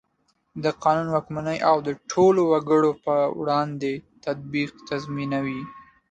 د قانون واکمني او د ټولو وګړو په وړاندې تطبیق تضمینوي.